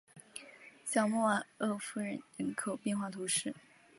小穆瓦厄夫尔人口变化图示